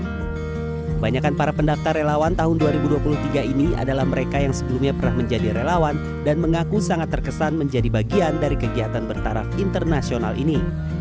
kebanyakan para pendaftar relawan tahun dua ribu dua puluh tiga ini adalah mereka yang sebelumnya pernah menjadi relawan dan mengaku sangat terkesan menjadi bagian dari kegiatan bertaraf internasional ini